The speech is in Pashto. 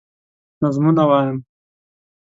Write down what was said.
نظمونه وايم